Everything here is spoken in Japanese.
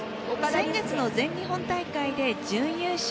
先月の全日本大会で準優勝。